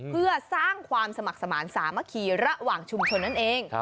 เพื่อสร้างความสมัครสมาธิสามัคคีระหว่างชุมชนนั่นเอง